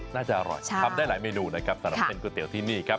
น่าจะอร่อยทำได้หลายเมนูนะครับสำหรับเส้นก๋วยเตี๋ยวที่นี่ครับ